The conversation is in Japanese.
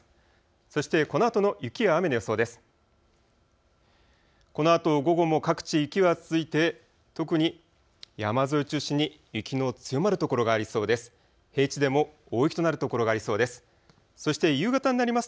そしてこのあとの雪や雨の予想です。